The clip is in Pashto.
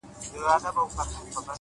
هر انسان د اغېز ځواک لري،